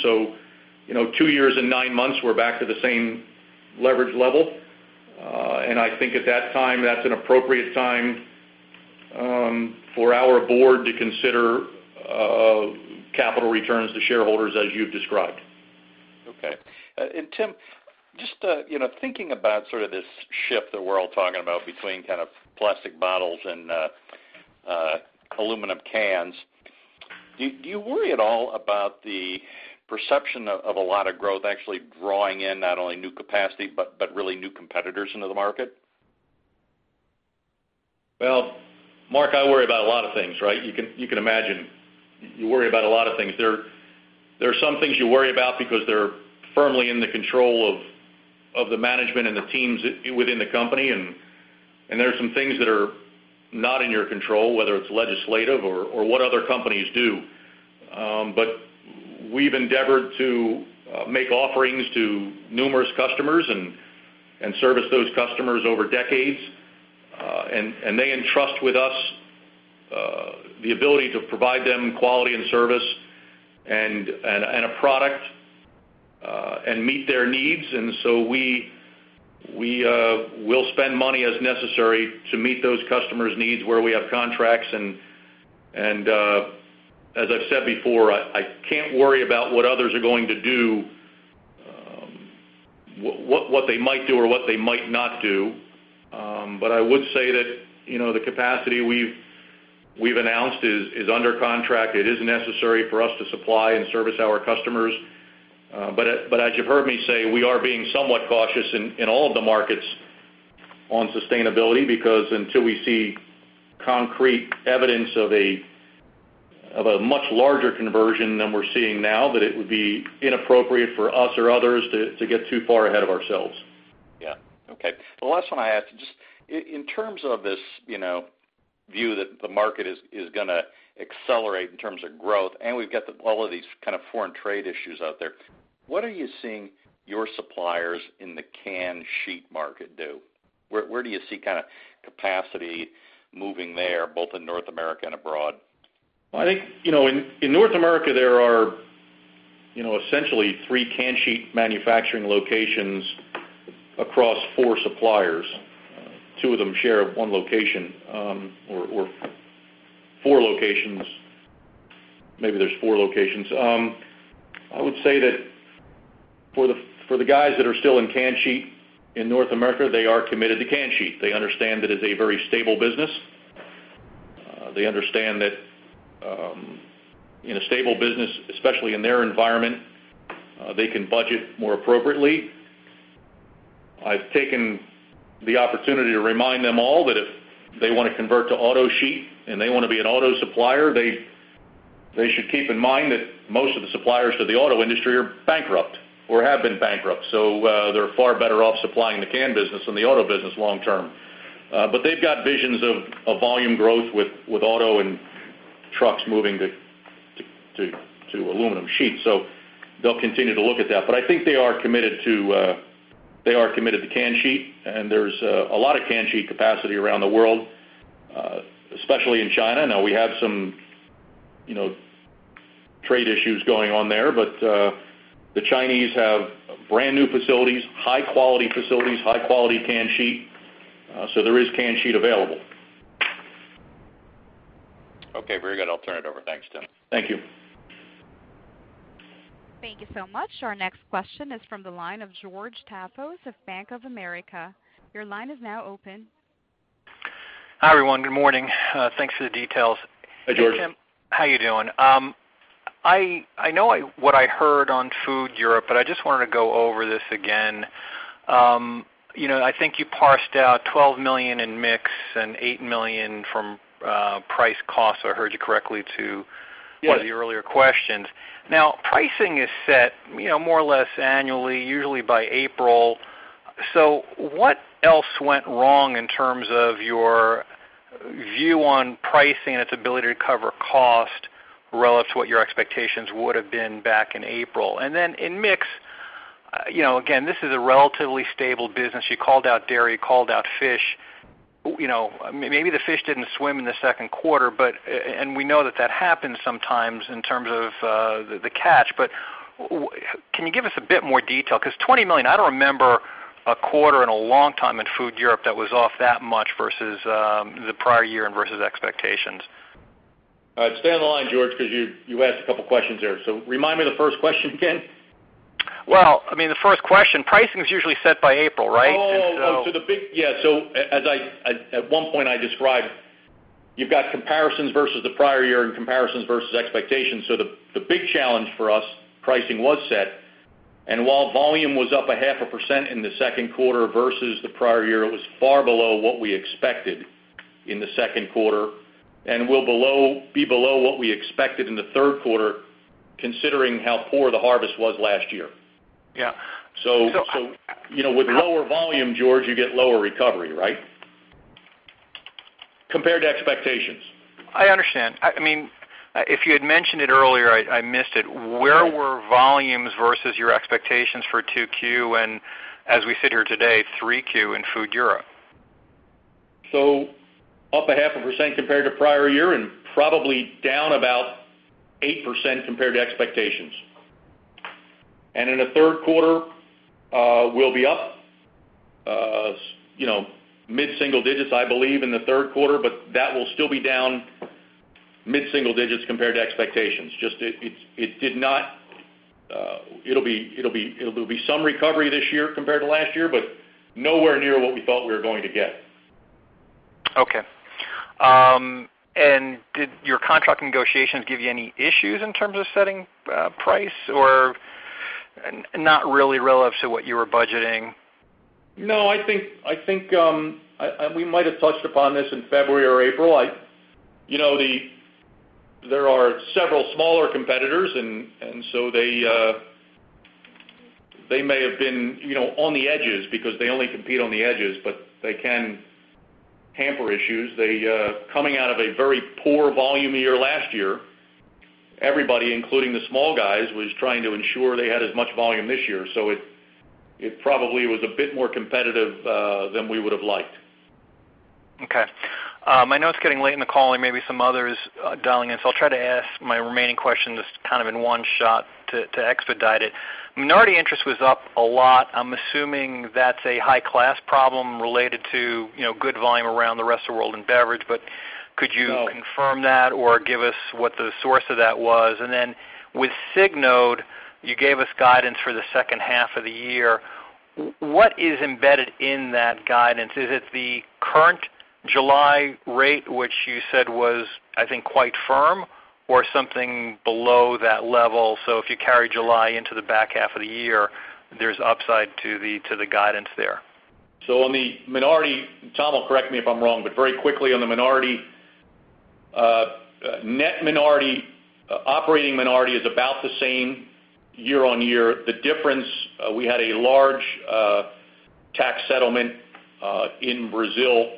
Two years and nine months, we're back to the same leverage level. I think at that time, that's an appropriate time for our board to consider capital returns to shareholders as you've described. Okay. Tim, just thinking about sort of this shift that we're all talking about between kind of plastic bottles and aluminum cans, do you worry at all about the perception of a lot of growth actually drawing in not only new capacity but really new competitors into the market? Well, Mark, I worry about a lot of things, right? You can imagine. You worry about a lot of things. There are some things you worry about because they're firmly in the control of the management and the teams within the company, and there are some things that are not in your control, whether it's legislative or what other companies do. We've endeavored to make offerings to numerous customers and service those customers over decades. They entrust with us the ability to provide them quality and service, and a product, and meet their needs. We'll spend money as necessary to meet those customers' needs where we have contracts, and as I've said before, I can't worry about what others are going to do, what they might do or what they might not do. I would say that the capacity we've announced is under contract. It is necessary for us to supply and service our customers. As you've heard me say, we are being somewhat cautious in all of the markets on sustainability, because until we see concrete evidence of a much larger conversion than we're seeing now, that it would be inappropriate for us or others to get too far ahead of ourselves. Yeah. Okay. The last one I had is just in terms of this view that the market is going to accelerate in terms of growth. We've got all of these kind of foreign trade issues out there, what are you seeing your suppliers in the can sheet market do? Where do you see capacity moving there, both in North America and abroad? Well, I think, in North America there are essentially three can sheet manufacturing locations across four suppliers. Two of them share one location, or four locations. Maybe there's four locations. I would say that for the guys that are still in can sheet in North America, they are committed to can sheet. They understand that it's a very stable business. They understand that in a stable business, especially in their environment, they can budget more appropriately. I've taken the opportunity to remind them all that if they want to convert to auto sheet and they want to be an auto supplier, they should keep in mind that most of the suppliers to the auto industry are bankrupt or have been bankrupt. They're far better off supplying the can business than the auto business long term. They've got visions of volume growth with auto and trucks moving to aluminum sheets, they'll continue to look at that. I think they are committed to can sheet, and there's a lot of can sheet capacity around the world, especially in China. We have some trade issues going on there, but the Chinese have brand-new facilities, high-quality facilities, high-quality can sheet. There is can sheet available. Okay, very good. I'll turn it over. Thanks, Tim. Thank you. Thank you so much. Our next question is from the line of George Staphos of Bank of America. Your line is now open. Hi, everyone. Good morning. Thanks for the details. Hi, George. Hey, Tim. How you doing? I know what I heard on European Food, but I just wanted to go over this again. I think you parsed out $12 million in mix and $8 million from price cost, if I heard you correctly. Yes one of the earlier questions. Pricing is set more or less annually, usually by April. What else went wrong in terms of your view on pricing and its ability to cover cost relative to what your expectations would've been back in April? In mix, again, this is a relatively stable business. You called out dairy, called out fish. Maybe the fish didn't swim in the second quarter, and we know that that happens sometimes in terms of the catch. Can you give us a bit more detail? Because $20 million, I don't remember a quarter in a long time in European Food that was off that much versus the prior year and versus expectations. All right. Stay on the line, George, because you asked a couple of questions there. Remind me the first question again. Well, the first question, pricing is usually set by April, right? Oh. The big, yeah. At one point I described you've got comparisons versus the prior year and comparisons versus expectations. The big challenge for us, pricing was set, and while volume was up a half a percent in the second quarter versus the prior year, it was far below what we expected in the second quarter and will be below what we expected in the third quarter, considering how poor the harvest was last year. Yeah. With lower volume, George, you get lower recovery, right? Compared to expectations. I understand. If you had mentioned it earlier, I missed it. Yeah. Where were volumes versus your expectations for 2Q and, as we sit here today, 3Q in Food Europe? Up a half a percent compared to prior year, and probably down about 8% compared to expectations. In the third quarter, we'll be up mid-single digits, I believe, in the third quarter, but that will still be down mid-single digits compared to expectations. It'll be some recovery this year compared to last year, but nowhere near what we thought we were going to get. Okay. Did your contract negotiations give you any issues in terms of setting price? Or not really relative to what you were budgeting? No, I think we might have touched upon this in February or April. There are several smaller competitors, they may have been on the edges because they only compete on the edges, but they can hamper issues. Coming out of a very poor volume year last year, everybody, including the small guys, was trying to ensure they had as much volume this year. It probably was a bit more competitive than we would've liked. Okay. I know it's getting late in the call and maybe some others dialing in, I'll try to ask my remaining questions kind of in one shot to expedite it. Minority interest was up a lot. I'm assuming that's a high-class problem related to good volume around the rest of world in beverage, but could you- No Confirm that or give us what the source of that was? With Signode, you gave us guidance for the second half of the year. What is embedded in that guidance? Is it the current July rate, which you said was, I think, quite firm, or something below that level? If you carry July into the back half of the year, there's upside to the guidance there. On the minority, Tom will correct me if I am wrong. Very quickly, on the minority. Net minority, operating minority is about the same year-on-year. The difference, we had a large tax settlement in Brazil.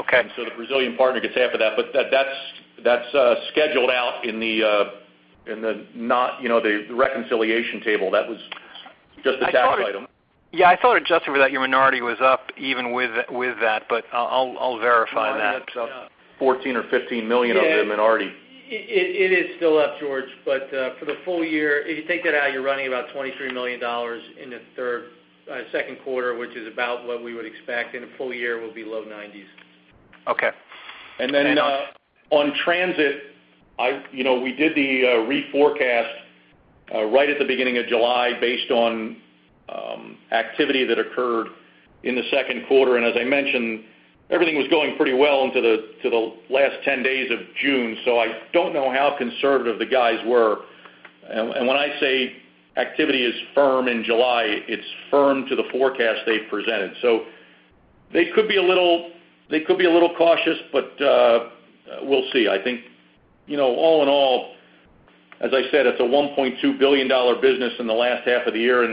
Okay. The Brazilian partner gets half of that is scheduled out in the reconciliation table. That was just a tax item. Yeah, I thought adjusting for that, your minority was up even with that, I will verify that. $14 million or $15 million out of the minority. Yeah. It is still up, George. For the full-year, if you take that out, you're running about $23 million in the second quarter, which is about what we would expect. In a full-year, we'll be low nineties. Okay. On Transit, we did the re-forecast right at the beginning of July based on activity that occurred in the second quarter. As I mentioned, everything was going pretty well until the last 10 days of June. I don't know how conservative the guys were. When I say activity is firm in July, it's firm to the forecast they presented. They could be a little cautious, but we'll see. I think all in all, as I said, it's a $1.2 billion business in the last half of the year.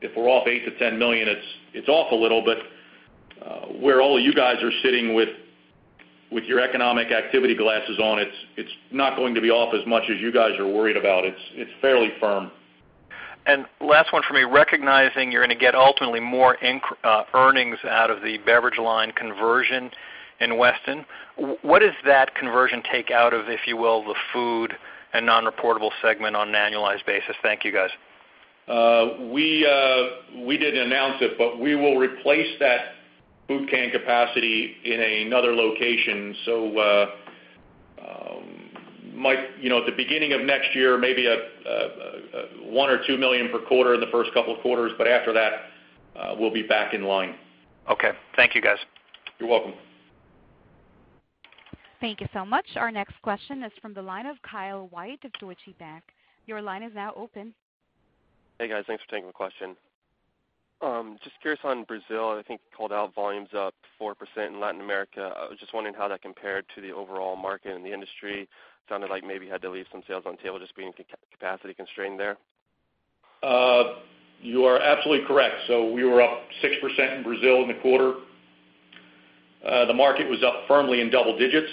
If we're off $8 million-$10 million, it's off a little, but where all you guys are sitting with your economic activity glasses on, it's not going to be off as much as you guys are worried about. It's fairly firm. Last one from me. Recognizing you're going to get ultimately more earnings out of the beverage line conversion in Weston, what does that conversion take out of, if you will, the Food and non-reportable segment on an annualized basis? Thank you, guys. We didn't announce it, but we will replace that food can capacity in another location. At the beginning of next year, maybe one or two million per quarter in the first couple of quarters, but after that, we'll be back in line. Okay. Thank you, guys. You're welcome. Thank you so much. Our next question is from the line of Kyle White of Deutsche Bank. Your line is now open. Hey, guys. Thanks for taking the question. Just curious on Brazil, I think you called out volume's up 4% in Latin America. I was just wondering how that compared to the overall market and the industry. Sounded like maybe you had to leave some sales on the table just being capacity constrained there. You are absolutely correct. We were up 6% in Brazil in the quarter. The market was up firmly in double digits.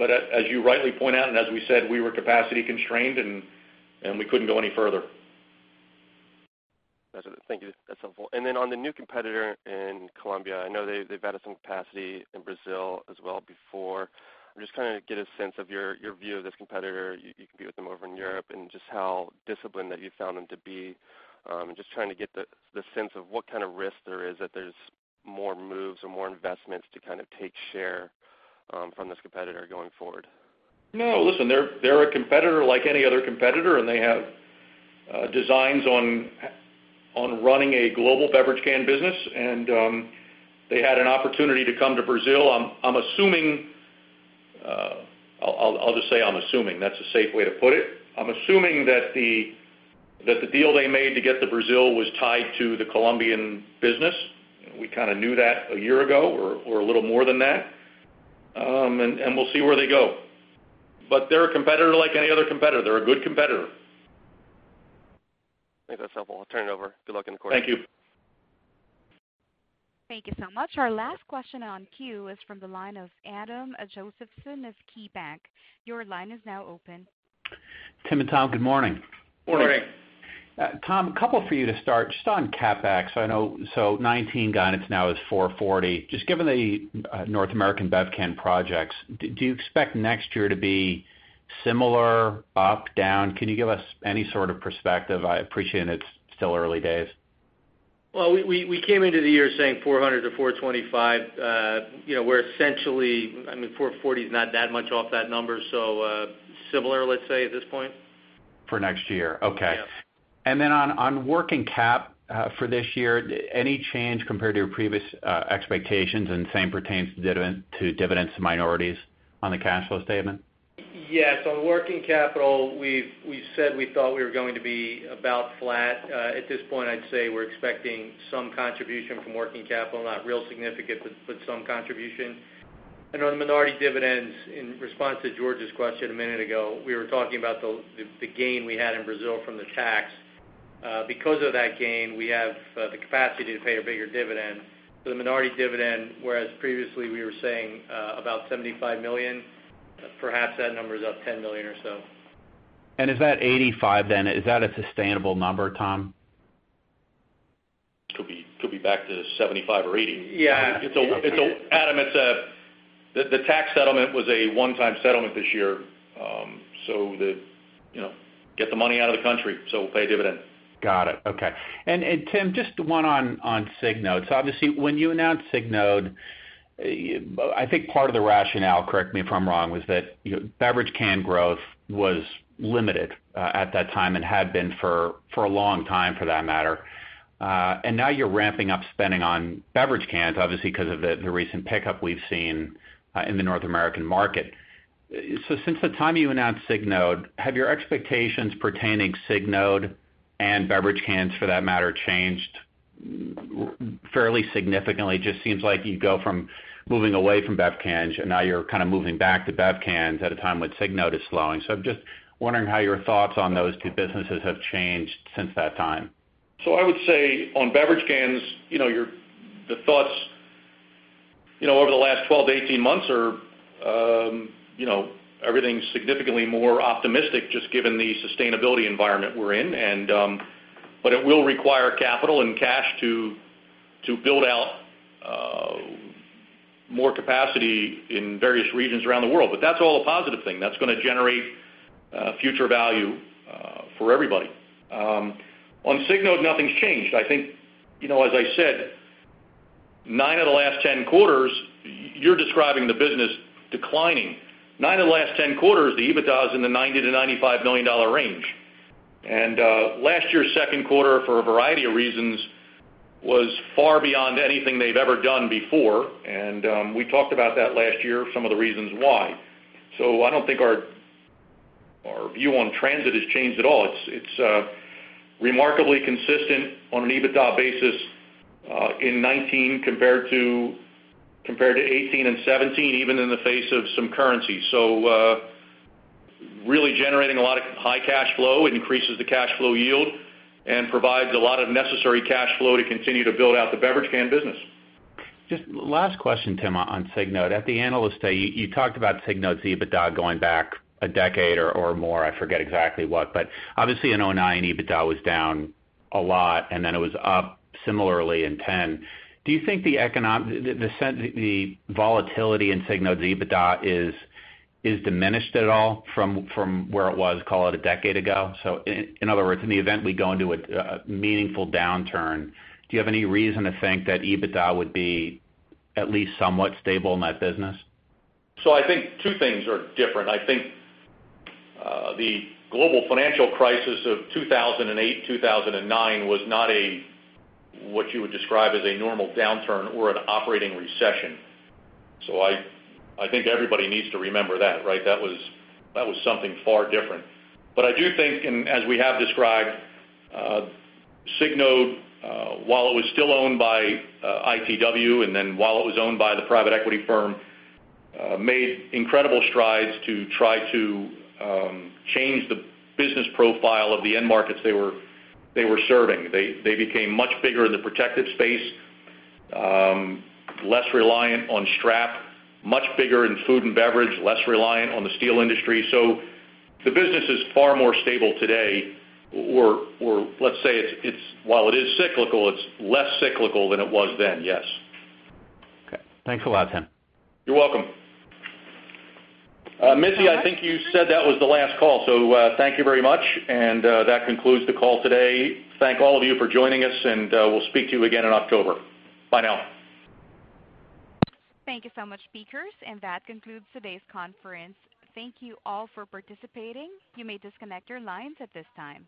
As you rightly point out, and as we said, we were capacity constrained, and we couldn't go any further. Thank you. That's helpful. Then on the new competitor in Colombia, I know they've added some capacity in Brazil as well before. I'm just trying to get a sense of your view of this competitor. You competed with them over in Europe, and just how disciplined that you found them to be. I'm just trying to get the sense of what kind of risk there is that there's more moves or more investments to kind of take share from this competitor going forward. No, listen, they're a competitor like any other competitor, and they have designs on running a global beverage can business. They had an opportunity to come to Brazil. I'll just say I'm assuming. That's a safe way to put it. I'm assuming that the deal they made to get to Brazil was tied to the Colombian business. We kind of knew that a year ago, or a little more than that. We'll see where they go. They're a competitor like any other competitor. They're a good competitor. I think that's helpful. I'll turn it over. Good luck in the quarter. Thank you. Thank you so much. Our last question on queue is from the line of Adam Josephson of KeyBanc. Your line is now open. Tim and Tom, good morning. Morning. Morning. Tom, a couple for you to start. Just on CapEx, I know so 2019 guidance now is $440. Just given the North American Bevcan projects, do you expect next year to be similar, up, down? Can you give us any sort of perspective? I appreciate it's still early days. Well, we came into the year saying 400-425. 440 is not that much off that number, so similar, let's say, at this point. For next year, okay. Yeah. On working cap for this year, any change compared to your previous expectations, and the same pertains to dividends to minorities? On the cash flow statement? Yes. On working capital, we've said we thought we were going to be about flat. At this point, I'd say we're expecting some contribution from working capital, not real significant, but some contribution. On the minority dividends, in response to George's question a minute ago, we were talking about the gain we had in Brazil from the tax. Because of that gain, we have the capacity to pay a bigger dividend. The minority dividend, whereas previously we were saying about $75 million, perhaps that number is up $10 million or so. Is that 85 then, is that a sustainable number, Tom? Could be back to 75 or 80. Yeah. Adam, the tax settlement was a one-time settlement this year. To get the money out of the country, we'll pay a dividend. Got it. Okay. Tim, just one on Signode. Obviously, when you announced Signode, I think part of the rationale, correct me if I'm wrong, was that beverage can growth was limited at that time and had been for a long time for that matter. Now you're ramping up spending on beverage cans, obviously because of the recent pickup we've seen in the North American market. Since the time you announced Signode, have your expectations pertaining Signode and beverage cans for that matter, changed fairly significantly? Just seems like you go from moving away from bev cans, and now you're kind of moving back to bev cans at a time when Signode is slowing. I'm just wondering how your thoughts on those two businesses have changed since that time. I would say on beverage cans, the thoughts over the last 12-18 months are everything's significantly more optimistic just given the sustainability environment we're in. It will require capital and cash to build out more capacity in various regions around the world. That's all a positive thing. That's going to generate future value for everybody. On Signode, nothing's changed. I think, as I said, nine of the last 10 quarters, you're describing the business declining. Nine of the last 10 quarters, the EBITDA is in the $90 million-$95 million range. Last year, second quarter, for a variety of reasons, was far beyond anything they've ever done before. We talked about that last year, some of the reasons why. I don't think our view on Transit has changed at all. It's remarkably consistent on an EBITDA basis in 2019 compared to 2018 and 2017, even in the face of some currency. Really generating a lot of high cash flow. It increases the cash flow yield and provides a lot of necessary cash flow to continue to build out the beverage can business. Just last question, Tim, on Signode. At the Analyst Day, you talked about Signode's EBITDA going back a decade or more, I forget exactly what, but obviously in 2009, EBITDA was down a lot, then it was up similarly in 2010. Do you think the volatility in Signode's EBITDA is diminished at all from where it was, call it a decade ago? In other words, in the event we go into a meaningful downturn, do you have any reason to think that EBITDA would be at least somewhat stable in that business? I think two things are different. I think the global financial crisis of 2008, 2009 was not what you would describe as a normal downturn or an operating recession. I think everybody needs to remember that, right? That was something far different. I do think, and as we have described, Signode, while it was still owned by ITW, and then while it was owned by the private equity firm, made incredible strides to try to change the business profile of the end markets they were serving. They became much bigger in the protective space, less reliant on strap, much bigger in food and beverage, less reliant on the steel industry. The business is far more stable today or let's say while it is cyclical, it's less cyclical than it was then, yes. Okay. Thanks a lot, Tim. You're welcome. Missy, I think you said that was the last call, so thank you very much, and that concludes the call today. Thank all of you for joining us, and we'll speak to you again in October. Bye now. Thank you so much, speakers. That concludes today's conference. Thank you all for participating. You may disconnect your lines at this time.